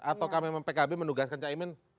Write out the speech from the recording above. ataukah memang pkb menugaskan cak imin